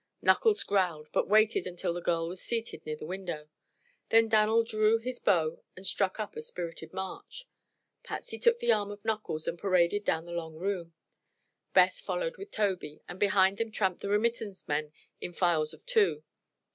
Knuckles growled, but waited until the girl was seated near the window. Then Dan'l drew his bow and struck up a spirited march. Patsy took the arm of Knuckles and paraded down the long room. Beth followed with Tobey, and behind them tramped the remittance men in files of two.